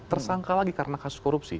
tersangka lagi karena kasus korupsi